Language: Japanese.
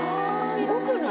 すごくない？